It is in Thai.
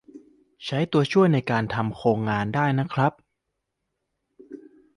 ใช้ตัวช่วยในการทำโครงงานได้นะครับ